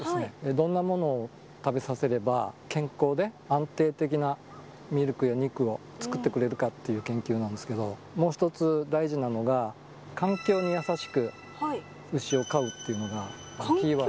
どんなものを食べさせれば、健康で、安定的なミルクや肉をつくってくれるかっていう研究なんですけど、もう一つ、大事なのが、環境に優しく牛を飼うっていうのがキーワード。